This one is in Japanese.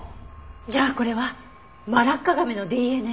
じゃあこれはマラッカガメのＤＮＡ？